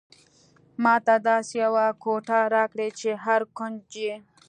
ماته داسې یوه کوټه راکړئ چې هر کونج یې.